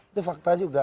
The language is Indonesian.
itu fakta juga